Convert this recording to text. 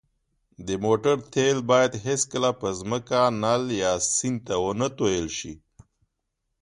د موټر تېل باید هېڅکله په ځمکه، نل، یا سیند ته ونهتوېل ش